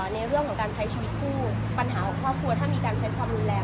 ในเรื่องของการใช้ชีวิตคู่ปัญหาของครอบครัวถ้ามีการใช้ความรุนแรง